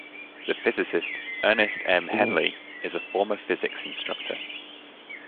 The physicist Ernest M. Henley is a former physics instructor.